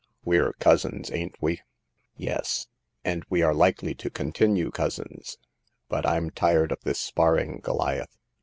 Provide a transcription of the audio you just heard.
We're cousins, ain't we ?"Yes ; and we are likely to continue cousins. But I'm tired of this sparring, Goliath.